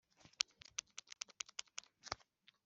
Iyo umushumba wa diyoseze adashyigikiye